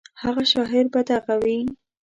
هغه شاعر به دغه وي.